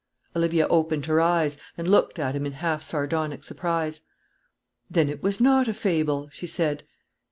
Olivia opened her eyes, and looked at him in half sardonic surprise. "Then it was not a fable?" she said.